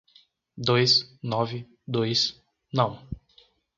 Dois, nove, dois, não.